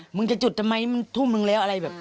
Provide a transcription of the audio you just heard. มึงจะจุดทำไมมันทุ่มนึงแล้วอะไรแบบ